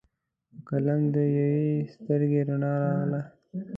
د قلم د یوي سترګې رڼا راغله